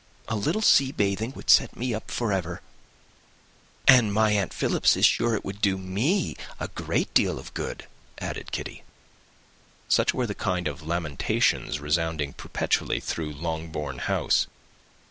"A little sea bathing would set me up for ever." "And my aunt Philips is sure it would do me a great deal of good," added Kitty. Such were the kind of lamentations resounding perpetually through Longbourn House.